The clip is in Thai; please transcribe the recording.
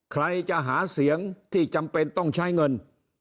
ใครจะหาเสียงที่จำเป็นต้องใช้เงิน